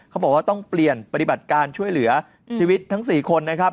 เขาบอกว่าต้องเปลี่ยนปฏิบัติการช่วยเหลือชีวิตทั้ง๔คนนะครับ